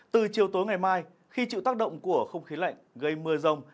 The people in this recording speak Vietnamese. từ chiều tối ngày mai khi chịu tác động của không khí lạnh gây mưa rông